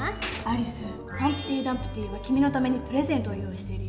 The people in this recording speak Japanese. アリスハンプティ・ダンプティは君のためにプレゼントを用意してるよ。